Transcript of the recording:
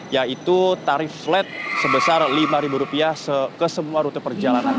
yaitu tarif flat sebesar rp lima ke semua rute perjalanan